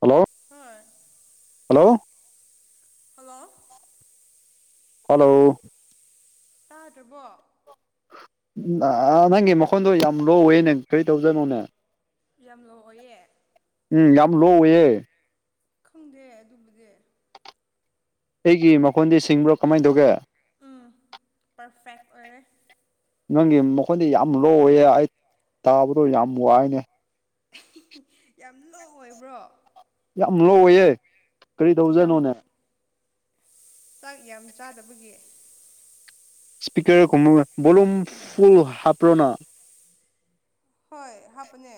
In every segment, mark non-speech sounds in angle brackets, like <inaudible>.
Hello. ꯍꯣꯏ hello. Hello. Hello. ꯇꯥꯗ꯭ꯔꯕꯣ꯫ ꯅꯪꯒꯤ ꯃꯈꯣꯟꯗꯣ ꯌꯥꯝ ꯂꯣꯋꯦꯅꯦ ꯀꯔꯤ ꯇꯧꯖꯅꯣꯅꯦ ꯌꯥꯝ ꯂꯌꯦ ꯎꯝ ꯌꯥꯝ ꯂꯣ ꯑꯣꯏꯌꯦ ꯈꯪꯗꯦ ꯑꯗꯨꯕꯨꯗꯤ ꯑꯩꯒꯤ ꯃꯈꯣꯟꯗꯤ ꯁꯤꯡꯕ꯭ꯔꯣ ꯀꯃꯥꯏꯅ ꯇꯧꯒꯦ ꯎꯝ ꯄꯔꯐꯦꯛ ꯑꯣꯏꯔꯦ ꯅꯪꯒꯤ ꯃꯈꯣꯏꯗꯤ ꯌꯥꯝ ꯂꯣꯏꯌꯦ ꯑꯩ ꯇꯥꯕꯗꯣ ꯌꯥꯝ ꯋꯥꯏꯅꯦ ꯌꯥꯝ ꯂꯣ ꯑꯣꯏꯕ꯭ꯔꯣ ꯌꯥꯝ ꯂꯣ ꯑꯣꯏꯌꯦ ꯀꯔꯤ ꯌꯥꯝ ꯇꯧꯖꯥꯅꯣꯅꯦ ꯆꯥꯛ ꯌꯥꯝ ꯆꯥꯗꯕꯒꯤ ꯏꯁꯄꯤꯀꯔ ꯀꯨꯝꯅ ꯕꯣꯂꯨꯝ ꯐꯨꯜ ꯍꯥꯞ꯭ꯔꯣꯅ ꯍꯣꯏ ꯍꯥꯞꯅꯦ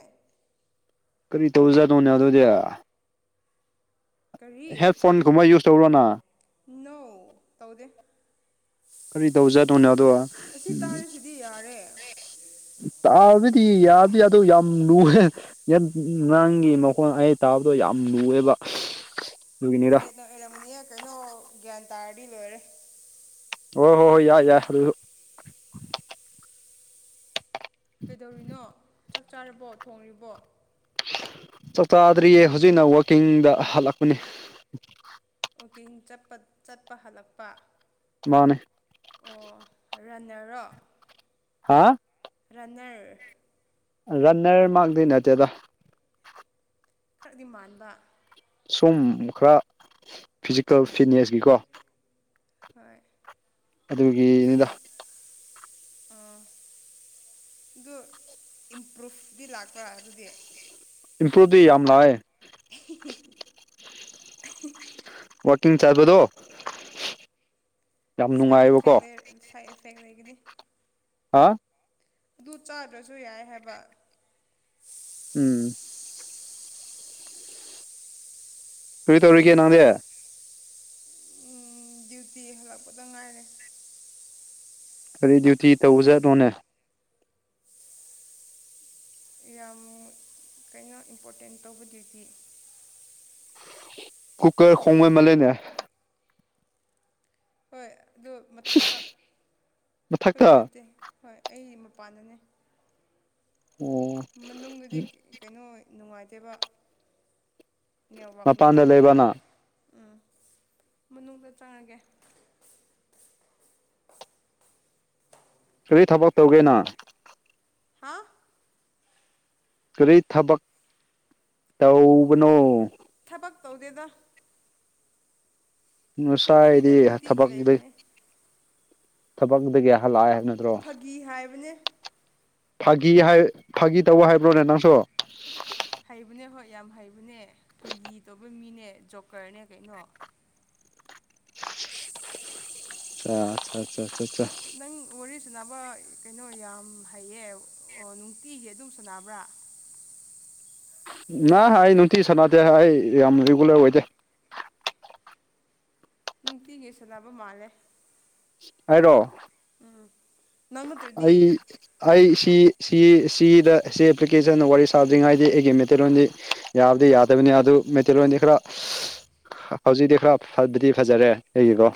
ꯀꯔꯤ ꯇꯧꯖꯥꯠꯅꯣꯅꯦ ꯑꯗꯨꯑꯣꯗꯤ ꯀꯔꯤ ꯍꯦꯠ ꯐꯣꯟꯒꯨꯝꯕ ꯌꯨꯁ ꯇꯧꯔꯣꯅ ꯅꯧ ꯇꯧꯗꯦ ꯀꯔꯤ ꯇꯧꯖꯗꯣꯏꯅꯣ ꯑꯗꯣ ꯎ ꯑꯁꯤ ꯇꯥꯔꯤꯁꯤꯗꯤ ꯌꯥꯔꯦ ꯍꯥꯏꯕꯗꯤ ꯌꯥꯗꯤ ꯌꯥꯗꯣ ꯌꯥꯝ ꯂꯨꯑꯦ ꯉꯔꯥꯡꯒꯤ ꯃꯈꯣꯟ ꯑꯌꯥ ꯇꯥꯕꯗꯣ ꯌꯥꯝ ꯂꯨꯋꯦꯕ <unintelligible> ꯔꯃꯨꯅꯤꯍ ꯀꯩꯅꯣ ꯒ꯭ꯌꯥꯟ ꯇꯥꯔꯗꯤ ꯂꯣꯏꯔꯦ ꯍ ꯍꯣꯏ ꯍꯣꯏ ꯌꯥꯏ ꯌꯥꯏ ꯑꯗꯨꯁꯨ ꯀꯩꯗꯧꯔꯤꯅꯣ ꯆꯥꯛ ꯆꯥꯔꯕꯣ ꯊꯣꯡꯔꯤꯕꯣ ꯆꯥꯛ ꯆꯥꯗ꯭ꯔꯤꯌꯦ ꯍꯧꯖꯤꯛꯅ ꯋꯥꯛꯀꯤꯡꯗ ꯍꯜꯂꯛꯄꯅꯦ ꯄꯨꯕꯨꯀꯤꯡ ꯆꯠꯄ ꯆꯠꯄ ꯍꯜꯂꯛꯄ ꯃꯥꯅꯦ ꯑꯣ ꯔꯟꯅꯔꯣ ꯍꯥ ꯑꯟꯅ ꯔꯟꯅꯔ ꯃꯥꯒꯗ ꯅꯠꯇꯦ ꯑꯗ ꯈꯔꯗꯤ ꯃꯥꯟꯕ ꯁꯨꯝ ꯈꯔ ꯐꯤꯖꯤꯀꯦꯜ ꯐꯤꯠꯅꯦꯁꯀꯤꯀꯣ ꯍꯣꯏ ꯑꯗꯨꯒꯤꯗꯥ <unintelligible> ꯑꯗꯨ ꯏꯝꯄ꯭ꯔꯨꯐꯗꯤꯤ ꯂꯥꯛꯄ꯭ꯔꯥ ꯑꯗꯨꯗꯤ ꯏꯝꯄ꯭ꯔꯨꯚꯗꯤ ꯌꯥꯝ ꯂꯥꯛꯑꯦ <unintelligible> ꯋꯥꯀꯤꯡ ꯆꯥꯖꯕꯗꯣ ꯁꯥꯏꯠ ꯏꯐꯦꯛ ꯁꯥꯏꯠ ꯏꯐꯦꯛ ꯂꯩꯒꯅꯤ ꯍꯥ ꯑꯗꯨ ꯆꯥꯗ꯭ꯔꯁꯨ ꯌꯥꯏ ꯍꯥꯏꯕ ꯎꯝ ꯁꯔꯤ ꯇꯧꯔꯤꯒꯦ ꯅꯪꯗꯦ ꯎꯝ ꯗ꯭ꯌꯨꯇꯤ ꯍꯜꯂꯛꯄꯗ ꯉꯥꯏꯔꯦ ꯀꯔꯤ ꯗ꯭ꯌꯨꯇꯤ ꯇꯧꯖꯥꯗꯣꯅꯦ ꯌꯥꯝ ꯀꯩꯅꯣ ꯏꯝꯄꯣꯔꯇꯦꯟ ꯇꯧꯕꯗꯨꯗꯤ ꯀꯨꯀꯔ ꯈꯣꯡꯕ ꯃꯥꯜ ꯂꯩꯦꯅꯦ ꯍꯣꯏ ꯑꯗꯨ ꯃꯊꯛꯇ ꯑꯩꯈꯣꯏꯒꯤ ꯃꯊꯛꯇ ꯅꯠꯇꯦ ꯍꯣꯏ ꯑꯩ ꯄꯜꯅꯤ ꯑꯣ ꯃꯅꯨꯡꯗꯨꯗꯤ ꯀꯩꯅꯣ ꯅꯨꯡꯉꯥꯏꯇꯦꯕ ꯅꯦꯠꯋꯥꯛ ꯃꯄꯥꯟꯗ ꯂꯩꯕ ꯅꯨꯡꯉꯥꯏꯇꯕ ꯅꯪ ꯎꯝ ꯃꯅꯨꯡꯗ ꯆꯪꯉꯒꯦ ꯀꯔꯤ ꯊꯕꯛ ꯇꯧꯒꯦꯅ ꯍꯥ ꯀꯔꯤ ꯊꯕꯛ ꯇꯧꯕꯅꯣ ꯊꯕꯛ ꯇꯧꯗꯦꯗ ꯑꯗꯨꯝ ꯉꯁꯥꯏꯗꯤ ꯐ꯭ꯔꯤꯗ ꯊꯕ ꯅꯨꯡꯇꯤꯒꯤ ꯂꯩꯕꯅꯦ ꯊꯕꯛꯇꯗꯒꯤ ꯍꯜꯂꯛꯑꯦ ꯍꯥꯏꯕ ꯅꯠꯇ꯭ꯔꯣ ꯐꯥꯒꯤ ꯍꯥꯏꯕꯅꯦ ꯐꯥꯒꯤ ꯍꯥꯏ ꯐꯥꯒꯤ ꯇꯧꯕ ꯍꯥꯏꯕ꯭ꯔꯣꯅꯦ ꯅꯪꯁꯨ ꯍꯩꯕꯅꯦ ꯍꯣꯏ ꯌꯥꯝ ꯍꯩꯕꯅꯦ ꯐꯥꯒꯤ ꯇꯣ ꯑꯩꯈꯣꯏ ꯃꯤꯅꯦ ꯖꯣꯕꯀꯔꯅꯦ ꯀꯩꯅꯣ ꯑꯆꯥꯆꯥ ꯅꯪ ꯋꯥꯔꯤ ꯁꯨꯅꯕ ꯀꯩꯅꯣ ꯌꯥꯝ ꯍꯩꯌꯦ ꯑꯣ ꯅꯨꯡꯇꯤꯁꯦ ꯑꯗꯨꯝ ꯁꯨꯅꯕ꯭ꯔꯥ <unintelligible> ꯅ ꯑꯩ ꯅꯨꯡꯇꯤ ꯁꯥꯟꯅꯗꯦ ꯑꯩ ꯌꯥꯝ ꯔꯤꯒꯨꯂꯔ ꯑꯣꯏꯗꯦ ꯅꯨꯡꯇꯤꯒꯤ ꯁꯥꯟꯅꯕ ꯃꯥꯜꯂꯦ ꯍꯥꯏꯔꯣ ꯎꯝ ꯅꯪ ꯅꯠꯇ꯭ꯔꯗꯤ ꯑꯩ ꯑꯩ ꯁꯤ ꯁꯤꯗ ꯁꯤ ꯑꯦꯄ꯭ꯂꯤꯀꯦꯁꯟ ꯋꯥꯔꯤ ꯁꯥꯗ꯭ꯔꯤꯉꯥꯏꯗꯤ ꯑꯩꯒꯤ ꯃꯦꯇꯦꯔꯤꯌꯣꯟꯗꯤ ꯌꯥꯕꯗꯤ ꯌꯥꯗꯕꯅꯤ ꯑꯗꯨ ꯃꯦꯇꯦꯔꯤꯜꯗꯤ ꯈꯔ ꯍꯧꯖꯤꯛꯇꯤ ꯈꯔ ꯐꯗꯤ ꯐꯖꯔꯦ ꯑꯩꯒꯤꯀꯣ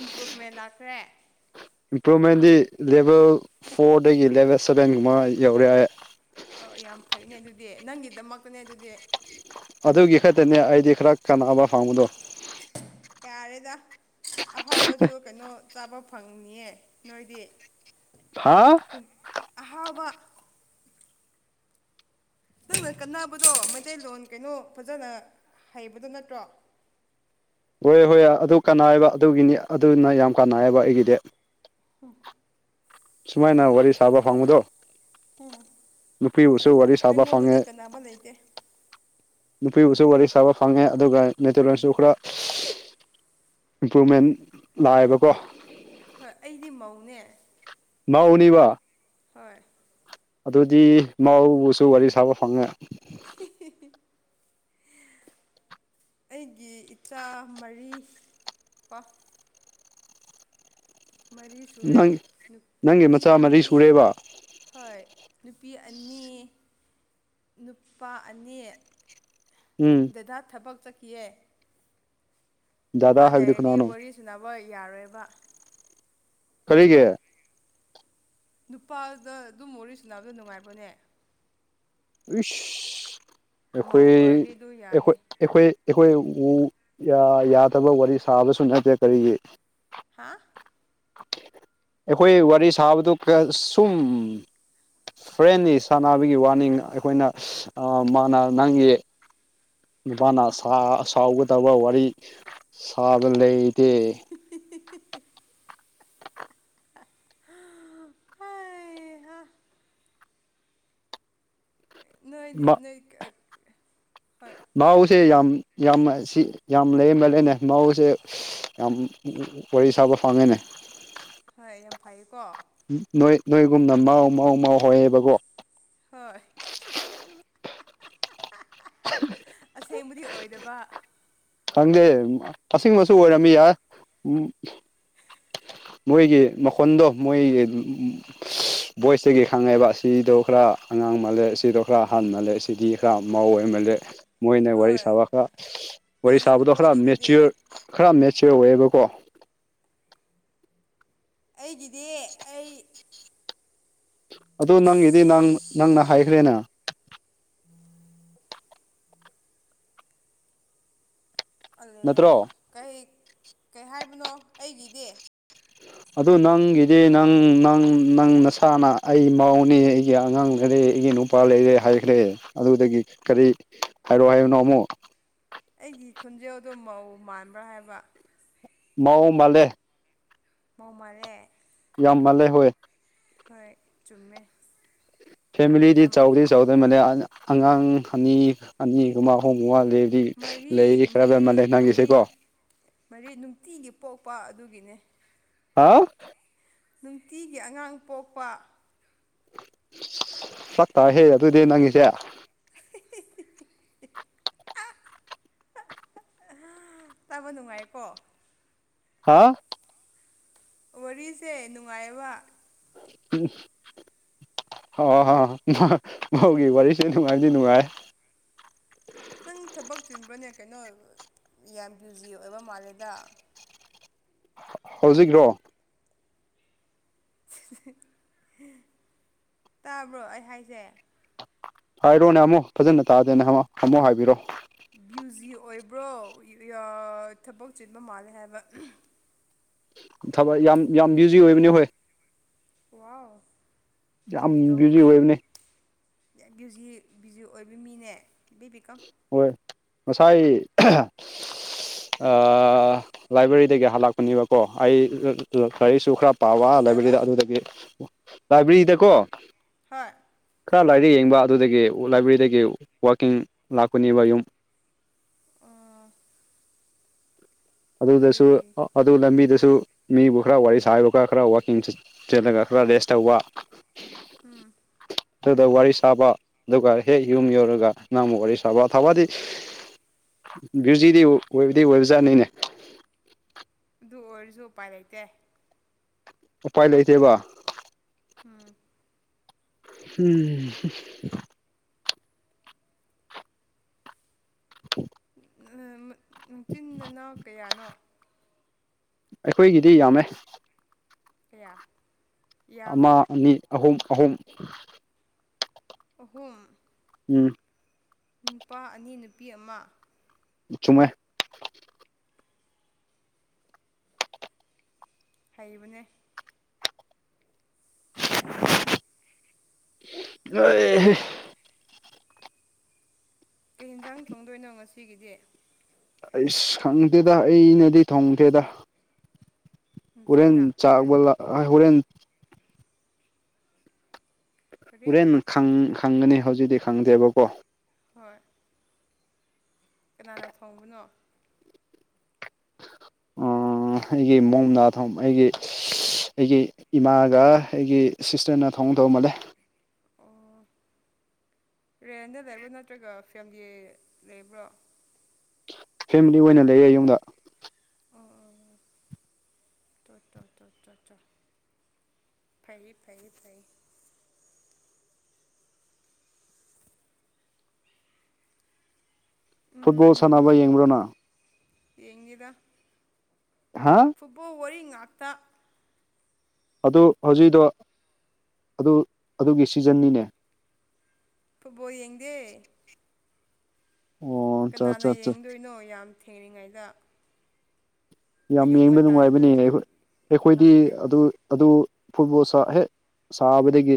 ꯏꯝꯄ꯭ꯔꯨꯚꯃꯦꯟ ꯂꯥꯛꯈ꯭ꯔꯦ ꯏꯝꯄ꯭ꯔꯨꯚꯃꯦꯟꯗꯤ ꯂꯦꯚꯦꯜ ꯐꯣꯔꯗꯒꯤ ꯂꯦꯚꯦꯜ ꯁꯚꯦꯟꯒꯨꯝꯕ ꯌꯧꯔꯦ ꯍꯥꯏ ꯑ ꯌꯥꯝ ꯐꯩꯅꯦ ꯑꯗꯨꯗꯤ ꯅꯪꯒꯤꯗꯃꯛꯇꯅꯦ ꯑꯗꯨꯗꯤ ꯑꯗꯨꯒꯤ ꯈꯛꯇꯅꯦ ꯑꯩꯗꯤ ꯈꯔ ꯀꯥꯟꯅꯕ ꯐꯪꯕꯗꯣ ꯌꯥꯔꯦꯗ ꯑꯍꯥꯎꯕꯁꯨ ꯀꯩꯅꯣ ꯆꯥꯕ ꯐꯪꯅꯤꯌꯦ ꯅꯣꯏꯗꯤ ꯍꯥ ꯑꯍꯥꯎꯕ ꯅꯪꯅ ꯀꯟꯅꯕꯗꯣ ꯃꯩꯇꯩꯂꯣꯟ ꯀꯩꯅꯣ ꯐꯖꯅ ꯍꯩꯕꯗꯨꯣ ꯅꯠꯇ꯭ꯔꯣ ꯍꯣꯏ ꯍꯣꯏ ꯑꯗꯨ ꯀꯥꯅꯥꯕ ꯑꯗꯨꯒꯤꯅꯤ ꯑꯗꯨꯅ ꯌꯥꯝ ꯀꯥꯅꯥꯏꯕ ꯑꯩꯒꯤꯗꯤ ꯁꯨꯃꯥꯏꯅ ꯋꯥꯔꯤ ꯁꯥꯕ ꯐꯪꯉꯨꯗꯣ ꯎꯝ ꯅꯨꯄꯤꯕꯨꯁꯨ ꯋꯥꯔꯤ ꯁꯥꯕ ꯐꯪꯉꯦ ꯑꯩꯉꯣꯟꯗꯗꯤ ꯀꯅꯥꯕ ꯂꯩꯇꯦ ꯅꯨꯄꯤꯕꯨꯁꯨ ꯋꯥꯔꯤ ꯁꯥꯕ ꯐꯪꯉꯦ ꯑꯗꯨꯒ ꯃꯩꯇꯩꯣꯟꯁꯨ ꯈꯔ ꯏꯝꯄ꯭ꯔꯨꯚꯃꯦꯟ ꯂꯥꯛꯑꯦꯕꯀꯣ ꯍꯣꯏ ꯑꯩꯗꯤ ꯃꯧꯅꯦ ꯃꯥꯎꯅꯤꯕ ꯍꯣꯏ ꯑꯗꯨꯗꯤ ꯃꯥꯎꯕꯨꯁꯨ ꯋꯥꯔꯤ ꯁꯥꯕ ꯐꯪꯉꯦ ꯎꯃꯝꯃꯝꯃꯝ <inaudible> ꯑꯩꯒꯤ ꯏꯆꯥ ꯃꯔꯤ ꯃꯔꯤ ꯁꯨꯔꯦ ꯅꯪ ꯅꯪꯒꯤ ꯅꯨꯄꯤ ꯃꯆꯥ ꯃꯔꯤ ꯑꯃꯅꯤ ꯁꯨꯔꯦꯕ ꯍꯣꯏ ꯅꯨꯄꯤ ꯑꯅꯤ ꯅꯨꯄꯥ ꯑꯅꯤ ꯎꯝ ꯗꯗꯥ ꯊꯕꯛ ꯆꯠꯈꯤꯑꯦ ꯃꯥ ꯗꯥꯗꯥ ꯍꯥꯏꯕꯗꯤ ꯂꯩꯔꯗꯤ ꯀꯅꯥꯅꯣ ꯋꯥꯔꯤ ꯁꯨꯅꯕ ꯌꯥꯔꯣꯏꯕ ꯀꯔꯤꯒꯤꯦ ꯅꯨꯄꯥꯗ ꯑꯗꯨꯝ ꯋꯥꯔꯤ ꯁꯅꯕꯗ ꯅꯨꯡꯉꯥꯏꯕꯅꯦ ꯏ ꯃꯧ ꯑꯩꯈꯣꯏꯈꯣꯏ ꯑꯣꯏꯔꯗꯤ ꯑꯗꯨ ꯌꯥꯗꯦ ꯑꯩꯈꯣꯏ ꯑꯩꯈꯣꯏ ꯎ ꯌꯥꯗꯕ ꯋꯥꯔꯤ ꯁꯥꯕꯁꯨ ꯅꯠꯇꯦ ꯀꯔꯤꯒꯤ ꯍꯥ ꯑꯩꯈꯣꯏ ꯋꯥꯔꯤ ꯁꯥꯕꯗꯨꯁꯨꯝ ꯐ꯭ꯔꯦꯟꯅꯤ ꯁꯥꯟꯅꯕꯒꯤ ꯋꯥꯅꯤꯡ ꯑꯩꯈꯣꯏꯅ ꯃꯥꯅ ꯅꯪꯒꯤ ꯅꯨꯄꯥꯅ ꯁꯥꯎꯒꯗꯕ ꯋꯥꯔꯤ ꯁꯥꯕ ꯂꯩꯇꯦ ꯇꯨꯠ <inaudible> ꯍꯩ ꯍꯥ ꯅꯣꯏꯗꯤ ꯅꯣꯏ ꯀ ꯎꯁꯦ ꯌꯥꯝ ꯌꯥꯝ ꯁꯤ ꯌꯥꯝ ꯂꯩꯔꯕ ꯂꯩꯅꯦ ꯃꯥꯧꯁꯦ ꯌꯥꯝ ꯋꯥꯔꯤ ꯁꯥꯕ ꯐꯪꯉꯦꯅꯦ ꯍꯣꯏ ꯌꯥꯝ ꯐꯩꯌꯦꯀꯣ ꯅꯣꯏ ꯅꯣꯏꯒꯨꯝꯅ ꯃꯥꯎ ꯃꯥꯎ ꯃꯥꯥꯎ ꯍꯥꯏꯌꯦꯦꯕꯀꯣ ꯍꯣꯏ ꯑꯁꯦ ꯃꯗꯤ ꯑꯣꯏꯗꯕ ꯈꯪꯗꯦ ꯑꯁꯦꯡꯕꯁꯨ ꯑꯣꯏꯔꯝꯃꯤ ꯌꯥꯏ ꯎ ꯃꯣꯏꯒꯤ ꯃꯈꯣꯟꯗꯣ ꯃꯣꯏ ꯚꯣꯏꯁꯇꯒꯤ ꯈꯪꯉꯦꯕ ꯑꯁꯤꯗꯣ ꯈꯔ ꯑꯉꯥꯡ ꯃꯥꯜꯂꯦ ꯁꯤꯗꯣ ꯈꯔ ꯑꯍꯥꯟ ꯃꯥꯜꯂꯦ ꯁꯤꯗꯤ ꯈꯔ ꯃꯧ ꯑꯣꯏꯜꯂ ꯃꯣꯏꯅ ꯋꯥꯔꯤ ꯍꯣꯏ ꯁꯥꯕ ꯈ ꯋꯥꯔꯤ ꯑꯩꯒꯤ ꯁꯥꯕꯗꯣ ꯈꯔ ꯃꯈꯣꯜꯗꯤ ꯑꯗꯨꯗꯤ ꯃꯦꯆꯣꯔ ꯈ ꯃꯦꯠꯆꯦ ꯑꯣꯏꯑꯦꯕꯀꯣ ꯑꯩꯒꯤꯗꯤ ꯑꯩ ꯑꯗꯨ ꯑꯁ ꯅꯪꯒꯤꯗꯤ ꯅꯪ ꯅꯪꯅ ꯍꯥꯏꯈ꯭ꯔꯦꯅ ꯑꯂ ꯅꯠꯇ꯭ꯔꯣ ꯀꯩ ꯀꯩ ꯍꯥꯏꯕꯅꯣ ꯑꯩꯒꯤꯗꯤ ꯑꯗꯨ ꯅꯪꯒꯤꯗꯤ ꯅꯪ ꯅꯪ ꯅꯪ ꯅꯁꯥꯅ ꯑꯩ ꯃꯎꯅꯤ ꯑꯩꯒꯤ ꯑꯉꯥꯡ ꯂꯩꯔ ꯑꯩ ꯏꯒꯤ ꯅꯨꯄꯥ ꯂꯩꯔꯦ ꯍꯥꯏꯈ꯭ꯔꯦ ꯑꯗꯨꯗꯒꯤ ꯀꯔꯤ ꯍꯥꯏꯔꯛ ꯍꯥꯏꯕꯅꯣ ꯑꯃꯨꯛ ꯑꯩꯒꯤ ꯈꯣꯟꯖꯦꯜꯗꯣ ꯃꯧ ꯃꯥꯟꯕ꯭ꯔꯥ ꯍꯥꯏꯕ ꯃꯕꯂꯦ ꯃꯃꯂꯦ ꯌꯥꯝ ꯃꯥꯜꯂꯦ ꯍꯣꯏ ꯍꯣꯏ ꯆꯨꯝꯃꯦ ꯐꯦꯃꯤꯂꯤꯗꯤ ꯌꯥꯝ ꯆꯥꯎꯗꯤꯦ ꯆꯥꯎꯗꯣꯏ ꯃꯜꯂꯦ ꯑꯉꯥꯡ ꯑꯅꯤ ꯑꯅꯤꯒꯨꯝ ꯑꯍꯣꯡꯕ ꯃꯔꯤ ꯃꯔꯤ ꯃꯔꯤ ꯅꯪꯒꯤꯁꯦꯀꯣ ꯃꯔꯤ ꯅꯨꯡꯇꯤꯒꯤ ꯄꯣꯛꯄ ꯑꯗꯨꯒꯤꯅꯦ ꯍꯥ ꯅꯨꯡꯇꯤꯒꯤ ꯑꯉꯥꯡ ꯄꯣꯛꯄ ꯆꯥꯛ ꯇꯍꯦ ꯑꯗꯨꯗꯤ ꯅꯪꯉꯁꯦ ꯇꯥꯕ ꯅꯨꯡꯉꯥꯏꯀꯣ ꯍꯥꯥ ꯋꯥꯔꯤꯁꯦ ꯅꯨꯡꯉꯥꯏꯕ ꯎꯝ ꯍ ꯍ ꯃꯧꯒꯤ ꯋꯥꯔꯤꯁꯦ ꯅꯨꯡꯉꯥꯏꯗꯤ ꯅꯨꯡꯉꯥꯏ ꯅꯪ ꯊꯕꯛ ꯆꯤꯟꯕ꯭ꯔꯣꯅꯦ ꯀꯩꯅꯣ ꯌꯥꯝ ꯕꯤꯖꯤ ꯑꯣꯏꯕ ꯃꯥꯜꯂꯦꯗ ꯍꯧꯖꯤꯛꯔꯣ ꯇꯥꯕ꯭ꯔꯣ ꯑꯩ ꯍꯥꯏꯁꯦ ꯍꯥꯏꯔꯣꯅꯦ ꯑꯃꯨꯛ ꯐꯖꯅ ꯇꯥꯗꯦꯅꯦ ꯑꯃꯨꯛ ꯍꯥꯏꯕꯤꯔꯣꯑꯣ ꯕ꯭ꯌꯨꯖꯤ ꯑꯣꯏꯕ꯭ꯔꯣ ꯊꯕꯛ ꯆꯤꯟꯕ ꯃꯥꯜꯂꯦ ꯍꯥꯏꯕ ꯊꯕ ꯌꯥꯝ ꯌꯥꯝ ꯕꯤꯖꯤ ꯑꯣꯏꯕꯅꯦ ꯍꯣꯏ ꯋꯥꯎ ꯌꯥꯝ ꯀꯔꯤ ꯕ꯭ꯌꯨꯖꯤ ꯇꯧꯕꯒꯦ ꯑꯣꯏꯕꯅꯤ ꯕꯤ ꯕꯤꯖꯤ ꯑꯣꯏꯕ ꯃꯤꯅꯦ ꯕꯤ ꯄꯤꯀꯞ ꯍꯣꯏ ꯉꯁꯥꯏ ꯂꯥꯏꯕ꯭ꯔꯦꯔꯤꯗꯒꯤ ꯍꯜꯂꯛꯄꯅꯦꯕꯀꯣ ꯑꯩ ꯁꯨ ꯈꯔ ꯄꯥꯎꯋꯥ ꯀꯔꯤ ꯍꯥꯏꯕ ꯂꯥꯏꯕ꯭ꯔꯦꯔꯤꯗ ꯑꯗꯨꯗꯒꯤ ꯂꯥꯏꯕ꯭ꯔꯦꯔꯤꯗꯀꯣ ꯍꯣꯏ ꯈꯔ ꯂꯥꯏꯔꯤ ꯌꯦꯡꯕ ꯑꯗꯨꯗꯒꯤ ꯂꯥꯏꯕ꯭ꯔꯦꯔꯤꯗꯒꯤ ꯋꯥꯛꯀꯤꯡ ꯂꯥꯛꯄꯅꯦꯕ ꯌꯨꯝ ꯑꯣ ꯐꯩ ꯑꯗꯨꯗꯁꯨ ꯐꯩ ꯑꯗꯨ ꯂꯝꯕꯤꯗꯁꯨ ꯃꯤꯕꯨ ꯈꯔ ꯋꯥꯔꯤ ꯁꯥꯥꯏꯕꯨ ꯈꯔ ꯈꯔ ꯋꯥꯀꯤꯡ ꯆꯂꯒ ꯈꯔ ꯔꯦꯁ ꯇꯧꯕ ꯎꯝ ꯑꯗꯨꯗ ꯋꯥꯔꯤ ꯁꯥꯕ ꯑꯗꯨꯒ ꯍꯦꯛ ꯌꯨꯝ ꯌꯧꯔꯒ ꯅꯪꯕꯨ ꯋꯥꯔꯤ ꯁꯥꯕ ꯊꯕꯗꯤ ꯕ꯭ꯌꯨꯖꯤꯗꯤ ꯑꯣꯏꯕꯗꯤ ꯑꯣꯏꯕꯖꯥꯠꯅꯤꯅꯦ ꯑꯗꯨ ꯑꯣꯏꯔꯁꯨ ꯎꯄꯥꯏ ꯂꯩꯇꯦ ꯎꯄꯥꯏ ꯂꯩꯇꯦꯕ ꯎꯝ ꯍꯝ <unintelligible> ꯅꯨꯡꯆꯤꯅꯥ ꯀꯌꯥꯅꯣ ꯑꯩꯈꯣꯏꯒꯤꯗꯤ ꯌꯥꯝꯃꯦ ꯇꯌꯥ ꯑꯃ ꯑꯅꯤ ꯑꯍꯨꯝ ꯑꯍꯨꯝ ꯑꯍꯨꯝ ꯎꯝ ꯅꯨꯄꯥ ꯑꯅꯤ ꯅꯨꯄꯤ ꯑꯃ ꯆꯨꯝꯃ ꯍꯩꯕꯅꯦ ꯑ ꯀꯩ ꯌꯦꯟꯖꯥꯡ ꯊꯣꯡꯗꯣꯏꯅꯣ ꯉꯁꯤꯒꯤꯗꯤ ꯑꯩꯁ ꯈꯪꯗꯦꯗ ꯑꯩꯅꯗꯤ ꯊꯣꯡꯗꯦꯗ ꯍꯣꯔꯦꯟ ꯏꯆꯦꯅ ꯆꯥꯛꯕꯂ ꯍꯣꯔꯦꯟ ꯀꯔꯤ ꯍꯣꯔꯦꯟ ꯈꯪꯒꯅꯤ ꯍꯧꯖꯤꯛꯇꯤ ꯈꯪꯗꯦꯕꯀꯣ ꯍꯣꯏ ꯀꯅꯥꯅ ꯊꯣꯡꯕꯅꯣ ꯑꯣ ꯑꯩꯒꯤ ꯃꯣꯝꯗ ꯊ ꯑꯩꯒꯤ ꯑꯩꯒꯤ ꯏꯃꯥꯒ ꯑꯩꯒꯤ ꯁꯤꯁꯇꯔꯅ ꯊꯝ ꯍ ꯇꯧ ꯃꯗ ꯑꯣ ꯔꯦꯟꯗ ꯂꯩꯕ꯭ꯔꯥ ꯅꯠꯇ꯭ꯔꯒ ꯐꯦꯂꯤ ꯂꯩꯕ꯭ꯔꯣ ꯐꯦꯃꯤꯂꯤ ꯑꯣꯏꯅ ꯂꯩꯌꯦ ꯌꯨꯝꯗ ꯆ ꯐꯩ ꯐꯩꯌꯦ ꯐꯩ ꯐꯨꯠꯕꯣꯜ ꯁꯥꯟꯅꯕ ꯎꯝ ꯌꯦꯡꯕ꯭ꯔꯣꯅ ꯌꯦꯡꯅꯤꯗ ꯍꯥ ꯐꯨꯠꯕꯣꯜ ꯑꯣꯏꯔ ꯏ ꯑꯠꯇꯥ ꯑꯗꯨ ꯍꯧꯖꯤꯛꯗꯣ ꯑꯗꯨ ꯑꯗꯨꯒꯤ ꯁꯤꯖꯟꯅꯤꯅꯦ ꯏ ꯄꯨꯋꯥ ꯌꯦꯗꯦ ꯑꯣ ꯆꯥ ꯀꯅꯥꯅ ꯆꯥ ꯆꯥ ꯌꯦꯡꯗꯣꯏꯅꯣ ꯌꯥꯝ ꯊꯦꯡꯂꯤꯉꯩꯗ ꯌꯥꯝ ꯌꯦꯡꯕ ꯅꯨꯡꯉꯥꯏꯕꯅꯦ ꯑꯩꯈꯣꯏꯗꯤ ꯉꯝꯗꯦ ꯑꯗꯨ ꯑꯗꯨ ꯐꯨꯠꯕꯣꯜ ꯁꯥ ꯍꯦꯛ ꯁꯥꯕꯗꯒꯤ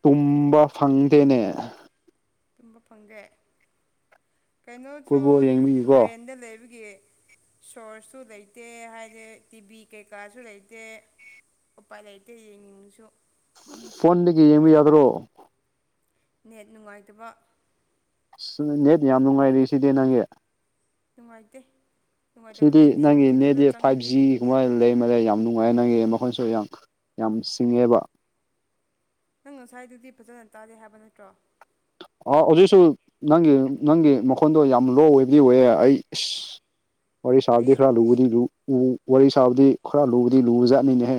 ꯇꯨꯝꯕ ꯐꯪꯗꯦꯅꯦ ꯇꯨꯝꯕ ꯐꯪꯒꯦ ꯀꯩꯅꯣꯁꯨ ꯐꯨꯠꯕꯣꯜ ꯌꯦꯡꯕꯤꯒꯤꯀꯣ ꯔꯦꯟꯗ ꯂꯩꯕꯒꯤ ꯁꯣꯔꯁꯨ ꯂꯩꯇꯦ ꯍꯥꯏꯗꯤ ꯇꯤꯚꯤ ꯀꯩꯀꯥꯁꯨ ꯂꯩꯇꯦ ꯎꯄꯥ ꯂꯩꯇ ꯌꯦ ꯅꯤꯡꯁꯨ ꯐꯣꯟꯣꯟꯗꯒꯤ ꯌꯦꯃꯤ ꯌꯥꯗ꯭ꯔꯣ ꯅꯦꯠ ꯅꯨꯡꯉꯥꯏꯇꯕ ꯅꯦꯠ ꯌꯥꯝ ꯅꯨꯡꯉꯥꯏꯔ ꯁꯤꯗꯤ ꯅꯪꯒꯤ ꯅꯨꯡꯉꯥꯏꯇꯦ ꯁꯤꯗꯤ ꯅꯨꯡꯉꯥꯏꯇꯕꯅ ꯂꯤꯡ ꯅꯪꯒꯤ ꯀꯩꯅꯣꯗꯣ ꯅꯦꯠꯗꯤ ꯐꯥꯏꯚ ꯆꯪꯉꯗꯤ ꯖꯤꯒꯨꯝꯕ ꯂꯩꯔꯃ ꯂꯩ ꯌꯥꯝ ꯌꯥꯝ ꯅꯨꯡꯉꯥꯏꯅꯪꯉꯦ ꯃꯈꯣꯏꯁꯨ ꯌꯥꯝ ꯌꯥꯝ ꯁꯤꯡꯉꯦꯕ ꯅꯪ ꯉꯁꯥꯏꯗꯨꯗꯤ ꯐꯖꯅ ꯇꯥꯗꯦ ꯍꯥꯏꯕ ꯅꯠꯇ꯭ꯔꯣ ꯑꯥ ꯍꯧꯖꯤꯛꯁꯨ ꯅꯪꯒꯤ ꯅꯪꯒꯤ ꯃꯈꯣꯟꯗꯣ ꯌꯥꯝ ꯂꯣ ꯑꯣꯏꯕꯗꯤ ꯑꯣꯏꯌꯦ ꯑꯩ ꯏꯁ ꯋꯥꯔꯤ ꯁꯥꯕꯗꯤ ꯑꯩ ꯈꯔ ꯂꯨꯕꯗꯤ ꯋꯥꯔꯤ ꯁꯥꯕꯗꯤ ꯈꯔ ꯂꯨꯕꯗꯤ ꯂꯨꯕꯖꯥꯠꯅꯤꯅꯦꯍꯦ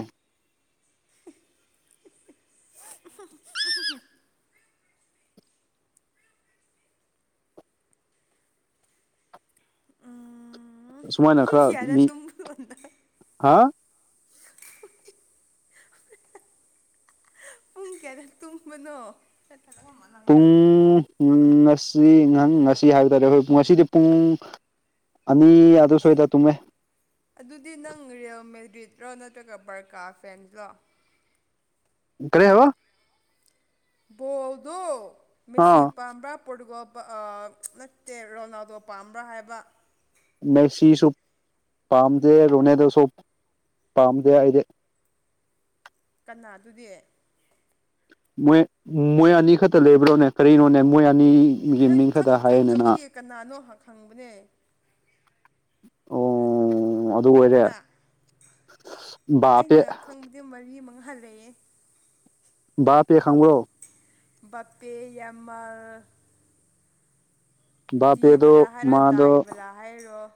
<unintelligible> ꯑ ꯁꯨꯃꯥꯏꯅ ꯈꯔ ꯃꯤ ꯍꯥ <inaudible> ꯄꯨꯡ ꯀꯌꯥꯗ ꯇꯨꯝꯕꯅꯣ ꯄꯨꯡ ꯉꯁꯤ ꯉꯁꯤ ꯍꯥꯏꯕ ꯇꯥꯔꯦ ꯑꯩꯈꯣꯏ ꯉꯁꯤꯗꯤ ꯄꯨꯡ ꯑꯅꯤ ꯑꯗꯨ ꯁꯋ꯭ꯥꯏꯗ ꯇꯨꯝꯃꯦ ꯔꯤꯠꯂꯣ ꯅꯠꯇ꯭ꯔꯒ ꯕꯔꯀꯥ ꯐꯦꯟꯂꯣ ꯀꯔꯤ ꯍꯥꯢꯕ ꯕꯣꯜꯗꯣ ꯃꯦꯁꯤ ꯑꯥ ꯄꯥꯝꯕ꯭ꯔꯥ ꯄꯣꯔꯇꯨꯒꯣꯜ ꯅꯠꯇꯦ ꯔꯣꯅꯥꯜꯗꯣ ꯄꯥꯝꯕ꯭ꯔꯥ ꯍꯥꯏꯕ ꯃꯦꯛꯁꯤꯁꯨ ꯄꯥꯝꯗꯦ ꯔꯣꯅꯦꯗꯣꯁꯨ ꯄꯥꯝꯗꯦ ꯑꯩꯗꯤ <inaudible> ꯀꯅꯥ ꯑꯗꯨꯗꯤ ꯃꯣꯏ ꯃꯣꯏ ꯑꯅꯤ ꯈꯛꯇ ꯂꯩꯕ꯭ꯔꯣꯅꯦ ꯀꯔꯤꯅꯣꯅꯦ ꯃꯣꯏ ꯑ ꯍꯥꯏ ꯈꯪ ꯈꯪꯗꯕꯒꯤ ꯀꯅꯥꯅꯣ ꯍꯪ ꯍꯪꯕꯅꯦ ꯑꯣ ꯑꯗꯨ ꯑꯣꯏꯔꯦ ꯀꯅꯥ ꯕꯥꯄꯦ ꯑꯩꯅ ꯈꯪꯕꯗꯤ ꯃꯔꯤ ꯃꯉꯥ ꯂꯩꯌꯦ ꯕꯥꯄꯦ ꯈꯪꯕ꯭ꯔꯣ ꯕꯥꯄꯦ ꯌꯥꯝꯜ ꯗꯤ ꯕꯥꯄꯦꯗꯣ ꯕꯂꯥ ꯍꯥꯏꯔ ꯃꯥꯗꯣ ꯗꯥꯏꯕꯂꯥ ꯍꯥꯏꯔꯣ